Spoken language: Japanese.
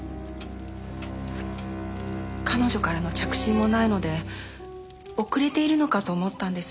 彼女からの着信もないので遅れているのかと思ったんです。